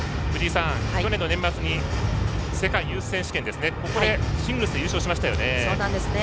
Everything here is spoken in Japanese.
去年の年末に世界ユース選手権でここでシングルスで優勝しましたね。